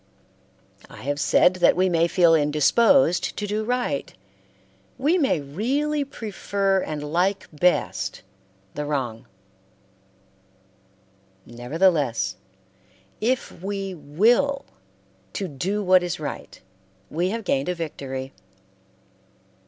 I have said that we may feel indisposed to do right; we may really prefer and like best the wrong; nevertheless if we will to do what is right we have gained a victory.